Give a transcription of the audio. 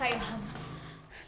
kau zitim pelan satu duduk